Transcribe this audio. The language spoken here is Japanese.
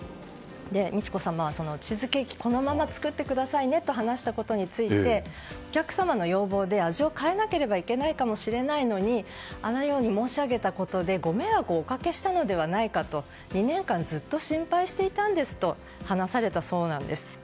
美智子さまはチーズケーキこのまま作ってくださいねと話したことについてお客様の要望で味を変えなければいけないかもしれないのにあのように申し上げたことでご迷惑をおかけしたのではないかと２年間ずっと心配していたんですと話されたそうなんです。